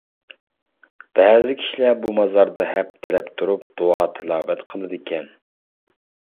بەزى كىشىلەر بۇ مازاردا ھەپتىلەپ تۇرۇپ، دۇئا-تىلاۋەت قىلىدىكەن.